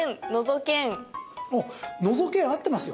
おっ、のぞけん合ってますよ。